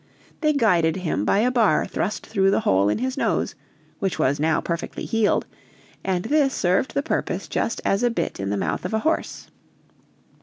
They guided him by a bar thrust through the hole in his nose, which was now perfectly healed, and this served the purpose just as a bit in the mouth of a horse.